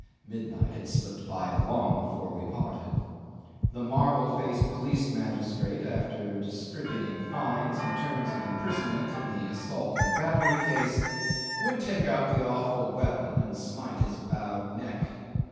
(midnight had slipped by long before we parted) the marble faced police magistrate, after distributing fines and terms of imprisonment in the assault and battery case, would take up the awful weapon and smite his bowed neck.